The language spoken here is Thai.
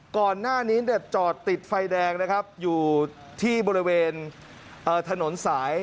ก่อนหน้านี้จอดติดไฟแดงอยู่บริเวณถนนสาย